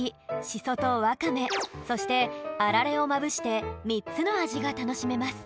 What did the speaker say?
しそとわかめそしてあられをまぶしてみっつのあじがたのしめます。